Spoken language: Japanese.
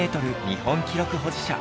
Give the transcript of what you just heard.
日本記録保持者